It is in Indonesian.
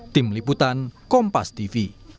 tim liputan kompas tv